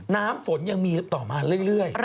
น้ำฝนยังมีต่อมาเรื่อย